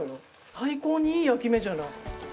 最高にいい焼き目じゃない。